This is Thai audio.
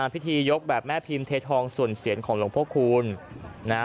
พิธียกแบบแม่พิมพ์ลูกเทศทองศูนย์เสียรของหลวงพ่อคูณ